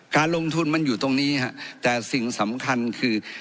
การลงทุนมันอยู่ตรงนี้ฮะแต่สิ่งสำคัญคือ